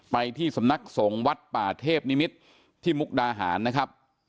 ไปที่สำนักสงฆ์วัดป่าเทพนิมิตรที่มุกดาหารนะครับ